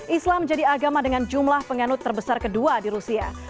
islam jadi agama dengan jumlah penganut terbesar kedua di rusia